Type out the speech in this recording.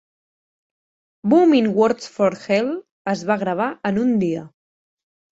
"Boomin' Words from Hell" es va gravar en un dia.